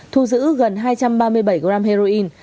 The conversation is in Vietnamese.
thu giữ gần hai trăm ba mươi bảy gram heroin